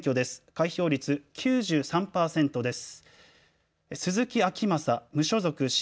開票率９３％です。